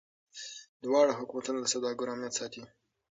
دواړه حکومتونه د سوداګرو امنیت ساتي.